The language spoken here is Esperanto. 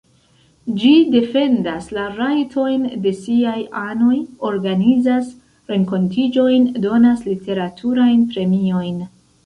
Ĝi defendas la rajtojn de siaj anoj, organizas renkontiĝojn, donas literaturajn premiojn.